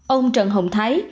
ông trần hồng thái